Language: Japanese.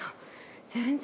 全然。